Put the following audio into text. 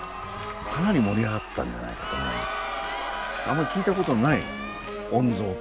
かなり盛り上がったんじゃないかと思うんです。